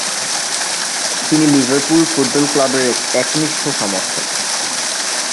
তিনি Liverpool football ক্লাবের একনিষ্ঠ সমর্থক।